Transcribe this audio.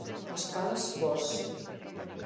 Os cans bos